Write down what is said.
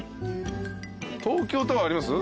東京タワーあります？